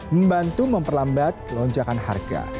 membantu memperlambat lonjakan harga